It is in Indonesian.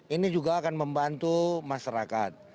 ini juga akan membantu masyarakat